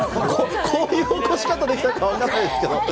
こういう起こし方をしたか分からないですけど。